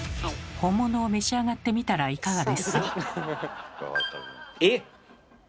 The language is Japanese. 本物を召し上がってみたらいかがですか？